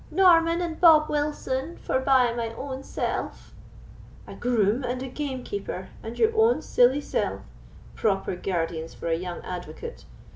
"Norman and Bob Wilson, forbye my own self." "A groom and a gamekeeper, and your own silly self—proper guardians for a young advocate!